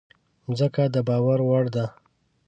مځکه د باور وړ ده.